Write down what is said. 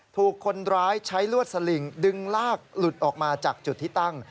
ถูกคนร้ายใช้ลวดสลิงดึงลากหลุดออกมาจากจุดที่ตั้ง